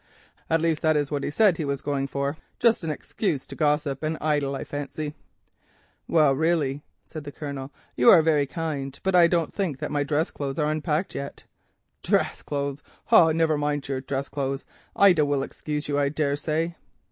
At least, that is what he said he was going for; just an excuse to gossip and idle, I fancy." "Well, really," said the Colonel, "you are very kind; but I don't think that my dress clothes are unpacked yet." "Dress clothes! Oh, never mind your dress clothes. Ida will excuse you, I daresay.